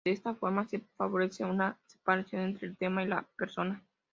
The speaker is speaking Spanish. De esta forma se favorece una separación entre el tema y la persona.